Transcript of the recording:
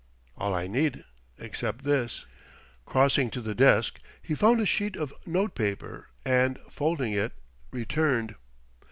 "All I need except this." Crossing to the desk, he found a sheet of note paper and, folding it, returned.